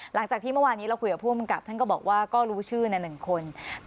หลังจากที่เมื่อวานนี้เราคุยกับผู้อำกับท่านก็บอกว่าก็รู้ชื่อใน๑คน